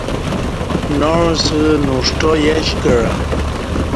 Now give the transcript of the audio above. ناعسہ نݜٹا یش کعہ